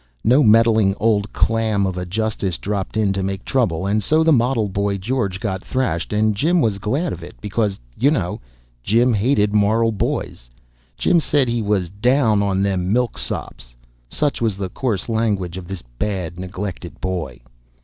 No meddling old clam of a justice dropped in to make trouble, and so the model boy George got thrashed, and Jim was glad of it because, you know, Jim hated moral boys. Jim said he was "down on them milksops." Such was the coarse language of this bad, neglected boy.